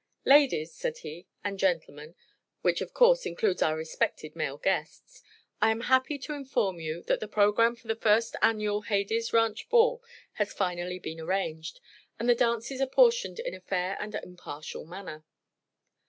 "Ladies," said he, "and gentlemen which of course includes our respected male guests I am happy to inform you that the programme for the First Annual Hades Ranch Ball has finally been arranged, and the dances apportioned in a fair and impartial manner.